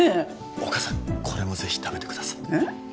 お母さんこれもぜひ食べてくださいえっ？